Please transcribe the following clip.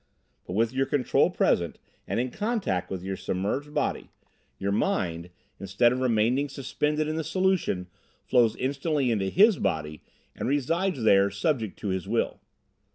But with your Control present and in contact with your submerged body, your mind, instead of remaining suspended in the solution, flows instantly into his body and resides there subject to his will.